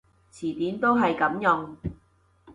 詞典都係噉用